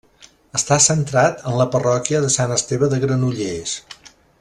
Està centrat en la parròquia de Sant Esteve de Granollers.